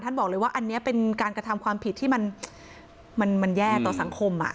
บอกเลยว่าอันนี้เป็นการกระทำความผิดที่มันแย่ต่อสังคม